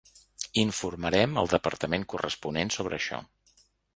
Informarem al departament corresponent sobre això.